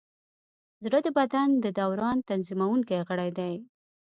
زړه د بدن د دوران تنظیمونکی غړی دی.